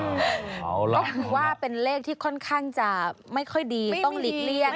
ก็ถือว่าเป็นเลขที่ค่อนข้างจะไม่ค่อยดีต้องหลีกเลี่ยง